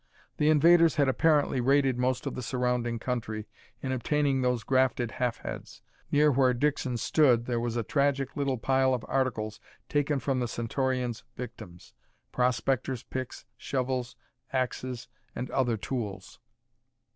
The invaders had apparently raided most of the surrounding country in obtaining those grafted half heads. Near where Dixon stood there was a tragic little pile of articles taken from the Centaurians' victims prospectors' picks, shovels, axes, and other tools.